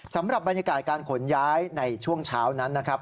สำหรับบรรยากาศการขนย้ายในช่วงเช้านั้นนะครับ